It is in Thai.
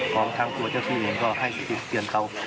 ของทางตัวเจ้าที่หนึ่งก็ให้เปลี่ยนเขา